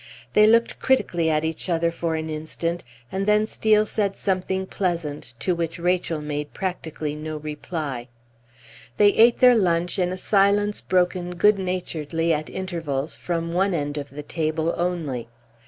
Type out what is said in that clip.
They looked critically at each other for an instant, and then Steel said something pleasant, to which Rachel made practically no reply. They ate their lunch in a silence broken good naturedly at intervals from one end of the table only.